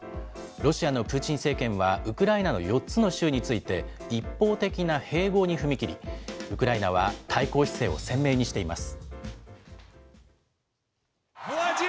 ロシアのプーチン政権は、ウクライナの４つの州について、一方的な併合に踏み切り、ウクライナは対抗姿勢を鮮明にしています。